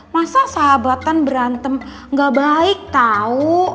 masa sahabatan berantem gak baik tahu